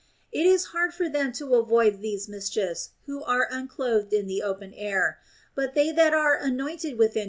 It is hard for them to avoid these mischiefs who are unclothed in the open air ; but they that are anointed within doors * See Varro, Ling.